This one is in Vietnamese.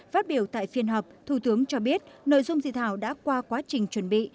phát biểu tại phiên họp thủ tướng cho biết nội dung dị thảo đã qua quá trình chuẩn bị